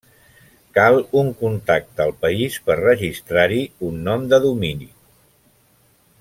Cal un contacte al país per registrar-hi un nom de domini.